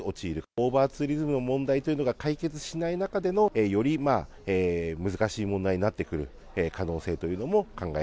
オーバーツーリズムの問題というのが解決しない中での、より難しい問題になってくる可能性というのも考え